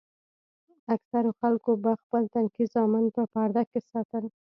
اکثرو خلکو به خپل تنکي زامن په پرده کښې ساتل.